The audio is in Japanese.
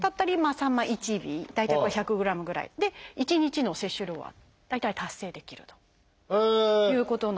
さんま１尾大体これ１００グラムぐらいで１日の摂取量は大体達成できるということなんです。